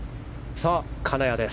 さあ、金谷です。